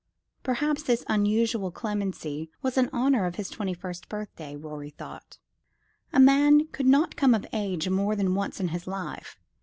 Perhaps this unusual clemency was in honour of his twenty first birthday, Rorie thought. A man could not come of age more than once in his life.